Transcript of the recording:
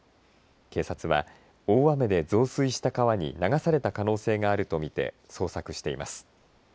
警察は大雨で増水した川に流された可能性があると見て捜索しています。